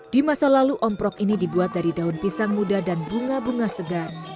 di masa lalu omprok ini dibuat dari daun pisang muda dan bunga bunga segar